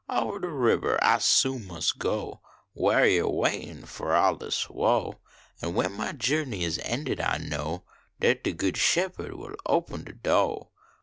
Ober de ribber I soon mus go, Weary ob waitin fro all dis woe ; An when my journey is ended I know Dat de Good Shepherd will open de do